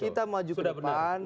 kita maju ke depan